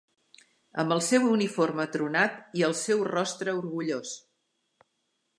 Amb el seu uniforme tronat i el seu rostre orgullós